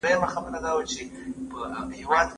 د وطن پېغلو ته کتاب راوړه، مکتب شه او قلم راواخله